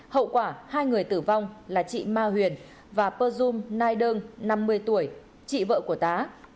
hậu quả hai người tử vong là chị ma huyền và pơm nai đơn năm mươi tuổi chị vợ của tá